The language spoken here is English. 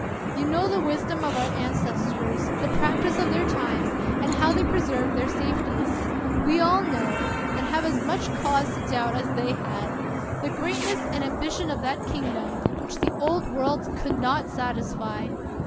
You know the wisdom of our ancestors, the practise of their times; and how they preserved their safeties ! We all know, and have as much cause to doubt as they had, the greatness and ambition of that kingdom, which the Old World could not satisfy!